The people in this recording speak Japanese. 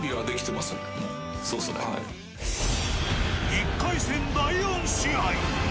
１回戦第４試合。